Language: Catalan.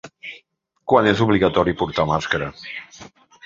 Quan és obligatori portar màscara?